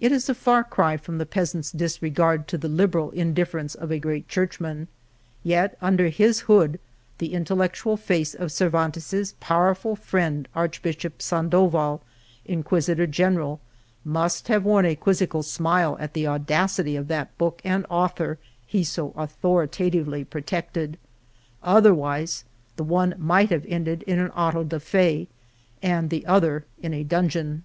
It is a far cry from the peasant's disregard to the liberal indiffer ence of a great Churchman. Yet under his hood the intellectual face of Cervantes's pow erful friend, Archbishop Sandoval, Inquisitor General, must have worn a quizzical smile at the audacity of that book and author he so authoritatively protected — otherwise the one might have ended in an auto da fe, and the other in a dungeon.